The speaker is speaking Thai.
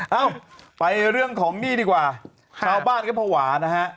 เอ้าไปเรื่องของหนี้ดีกว่าชาวบ้านก็ภาวะนะฮะ